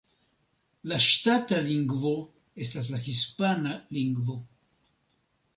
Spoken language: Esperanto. La ŝtata lingvo estas la hispana lingvo.